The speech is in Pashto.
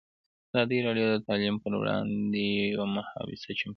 ازادي راډیو د تعلیم پر وړاندې یوه مباحثه چمتو کړې.